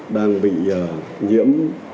đang bị nhiễm